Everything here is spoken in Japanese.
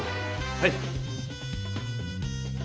はい！